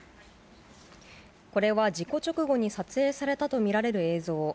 これは事故直後に撮影されたと見られる映像。